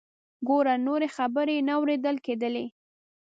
ګوره…. نورې خبرې یې نه اوریدل کیدلې.